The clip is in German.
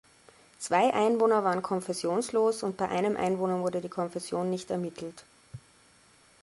Zwei Einwohner waren konfessionslos und bei einem Einwohner wurde die Konfession nicht ermittelt.